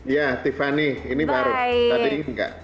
ya tiffany ini baru tadi enggak